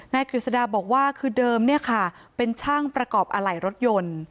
แก้คิริศดาบอกว่าคือเดิมเป็นช่างประกอบอะไหลรถยนต์